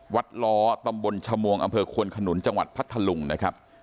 วัดล้อตำบลชมวงอำเภอควนขนุนจังหวัดพัทธลุงนะครับ